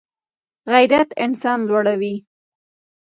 غیرت انسان لوړوي